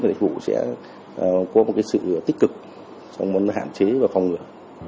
hải phòng sẽ có sự tích cực trong hạn chế và phòng ngừa